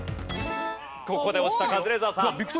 ここで押したカズレーザーさん。